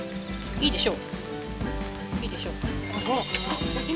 いいでしょ。